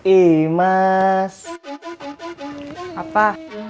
ih mas apa